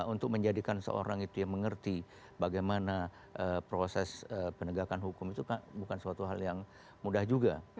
untuk menjadikan seorang itu yang mengerti bagaimana proses penegakan hukum itu bukan suatu hal yang mudah juga